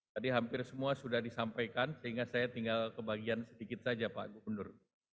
tadi hampir semua sudah disampaikan sehingga saya tinggal kebagian sedikit saja pak gubernur